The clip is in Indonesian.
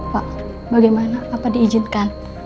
pak bagaimana apa di izinkan